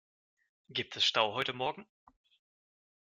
Gibt es Stau heute morgen?